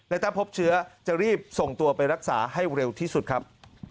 และถ้าพบเชื้อจะรีบส่งตัวไปรักษาให้เร็วที่สุดครับ